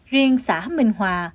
riêng xã minh hòa